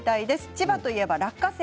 千葉といえば落花生。